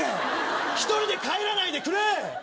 １人で帰らないでくれ！